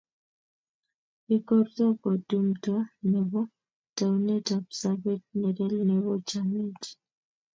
ikorto ko tumto Nebo taunet ab Sabet nelel Nebo chamyet